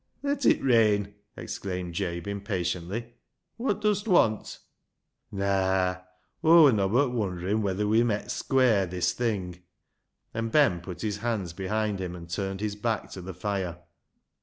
" Ler it rain !" exclaimed Jabe impatiently. " Wot dust want ?"*' Naa, Aw wur nobbut wondering whether we met square this thing "— and Ben put his hands behind him and turned his back to the fire.